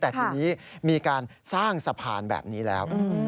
แต่ทีนี้มีการสร้างสะพานแบบนี้แล้ว